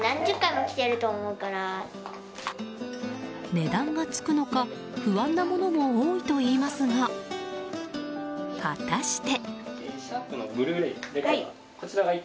値段がつくのか不安なものも多いといいますが、果たして。